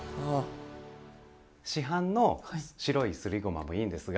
市販の白いすりごまもいいんですが。